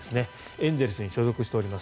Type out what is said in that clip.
エンゼルスに所属しております。